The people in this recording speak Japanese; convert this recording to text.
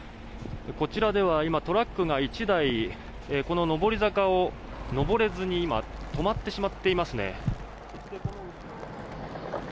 こちらでは今トラックが１台この上り坂を上れずに止まってしまっていますね。